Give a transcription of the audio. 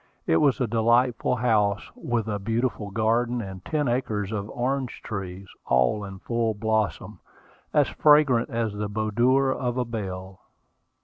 It was a delightful house, with a beautiful garden, and ten acres of orange trees, all in full blossom, as fragrant as the boudoir of a belle.